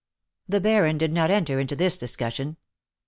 ^^ The Baron did not enter into this discussion.